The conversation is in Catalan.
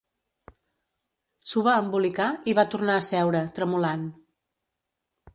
S'ho va embolicar i va tornar a seure, tremolant.